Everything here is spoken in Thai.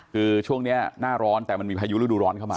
คือช่วงนี้หน้าร้อนแต่มันมีพายุฤดูร้อนเข้ามา